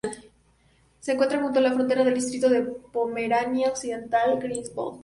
Se encuentra junto a la frontera con el distrito de Pomerania Occidental-Greifswald.